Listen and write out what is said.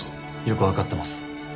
よく分かってます。